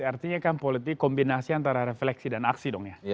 artinya kan politik kombinasi antara refleksi dan aksi dong ya